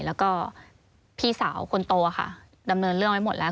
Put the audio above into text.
แล้วก็พี่สาวคนโตค่ะดำเนินเรื่องไว้หมดแล้ว